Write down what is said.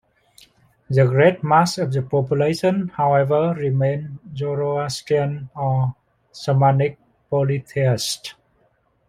The great mass of the population, however, remained Zoroastrian or Shamanic Polytheists.